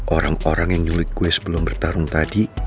orang orang yang nyulik gue sebelum bertarung tadi